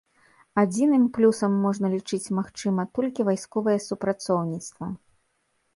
Адзіным плюсам можна лічыць, магчыма, толькі вайсковае супрацоўніцтва.